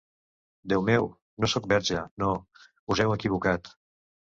Déu meu, no sóc verge, no... us heu equivocat...